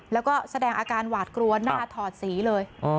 แล้วก็แสดงอาการหวาดกลัวหน้าถอดสีเลย